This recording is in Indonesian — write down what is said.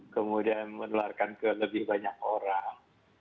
kemudian menularkan ke lebih banyak orang